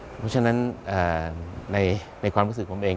เพราะฉะนั้นในความรู้สึกผมเอง